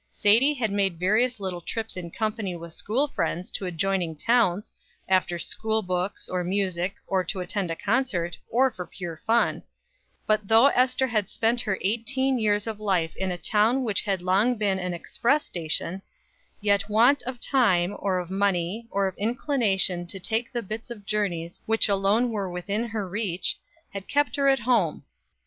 Sadie had made various little trips in company with school friends to adjoining towns, after school books, or music, or to attend a concert, or for pure fun; but, though Ester had spent her eighteen years of life in a town which had long been an "Express Station," yet want of time, or of money, or of inclination to take the bits of journeys which alone were within her reach, had kept her at home.